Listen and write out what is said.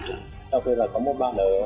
cho tôi là có một bạn ở đi mắc kẹt